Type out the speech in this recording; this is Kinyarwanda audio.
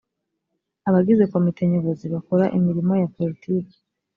abagize komite nyobozi bakora imirimo ya politiki